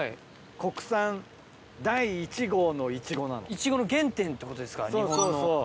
イチゴの原点ってことですか日本の。